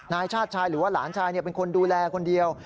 นายชาติชายหรือว่าหลานชายเป็นคนดูแลคนเดียว